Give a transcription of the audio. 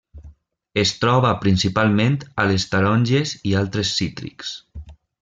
Es troba principalment a les taronges i altres cítrics.